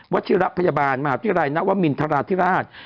วัชิรัติพยาบาลมหาวิทยาลัยนักว่ามินทราธิราช